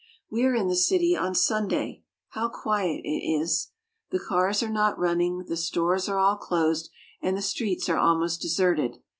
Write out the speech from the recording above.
We are in the city on Sunday. How quiet it is ! The cars are not running, the stores are all closed, and the streets are almost deserted.